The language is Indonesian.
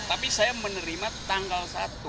tapi saya menerima tanggal satu